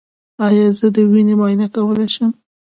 ایا زه د وینې معاینه کولی شم؟